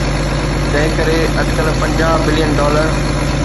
تنهنڪري اٽڪل پنجاهه بلين ڊالر.